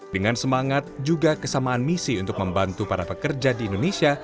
dengan semangat juga kesamaan misi untuk membantu para pekerja di indonesia